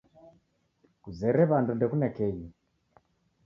Kuzere w'andu ndekune kenyu.